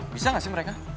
bisa gak sih mereka